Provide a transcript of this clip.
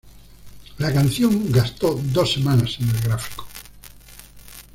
La canción gastó dos semanas en el gráfico.